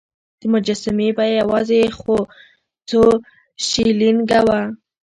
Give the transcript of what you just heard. د مجسمې بیه یوازې څو شیلینګه وه.